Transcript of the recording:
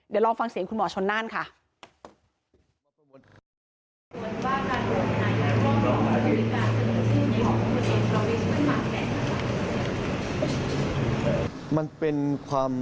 วางเสียงคุณหมอชนน่านค่ะ